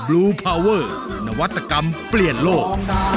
และวัตกรรมเปลี่ยนโลก